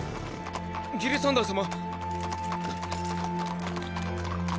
ギルサンダー様。